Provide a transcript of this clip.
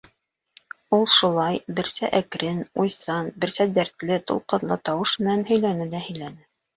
Ул шулай берсә әкрен, уйсан, берсә дәртле, тулҡынлы тауыш менән һөйләне лә һөйләне.